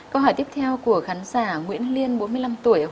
câu hỏi tiếp theo của khán giả nguyễn liên bốn mươi năm tuổi